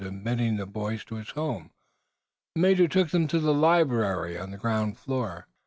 Admitting the boys to his home, the major took them to the library on the ground floor.